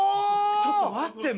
ちょっと待って。